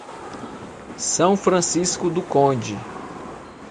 São Francisco do Conde